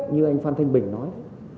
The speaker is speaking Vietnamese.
như anh phan thanh bình nói